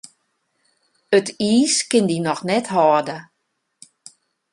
It iis kin dy noch net hâlde.